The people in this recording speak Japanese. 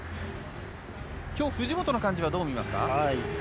きょう、藤本の感じはどう見ますか？